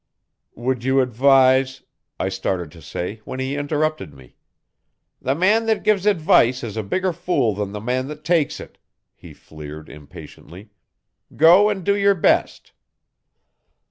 'Would you advise ,' I started to say, when he interrupted me. 'The man that gives advice is a bigger fool than the man that takes it,' he fleered impatiently. 'Go and do your best!'